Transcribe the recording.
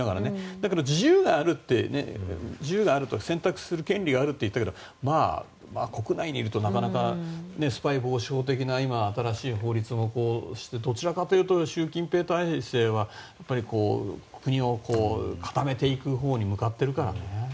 だけど、自由があるって選択する権利があるって言ってたけどまあ、国内にいるとなかなかスパイ防止法的な今、新しい法律もあってどちらかというと習近平体制は国を固めていくほうに向かっているからね。